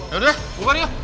yaudah bubar yuk